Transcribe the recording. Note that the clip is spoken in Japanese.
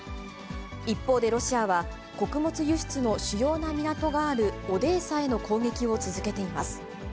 一方で、ロシアは穀物輸出の主要な港があるオデーサへの攻撃を続けています。